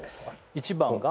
１番が？